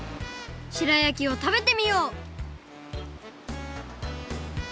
白焼きをたべてみよう！